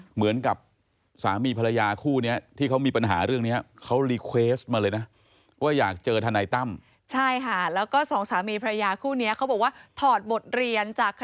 เหมือนกับสามีภรรยาคู่นี้ที่เขามีปัญหาเรื่องนี้